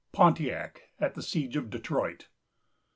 PONTIAC AT THE SIEGE OF DETROIT.